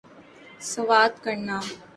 سوات کرنا